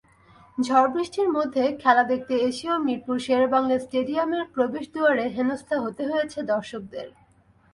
ঝড়-বৃষ্টির মধ্যে খেলা দেখতে এসেও মিরপুর শেরেবাংলা স্টেডিয়ামের প্রবেশদুয়ারে হেনস্তা হতে হয়েছে দর্শকদের।